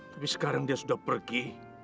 tapi sekarang dia sudah pergi